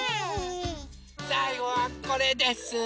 さいごはこれです。